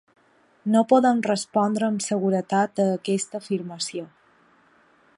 No podem respondre amb seguretat a aquesta afirmació.